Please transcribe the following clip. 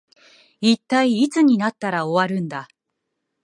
一体いつになったら終わるんだ